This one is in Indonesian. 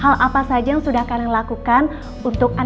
hal apa saja yang sudah kalian lakukan untuk anda